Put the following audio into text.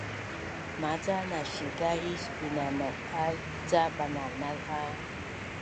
Maca nasiza is binanau’az ca bananaz a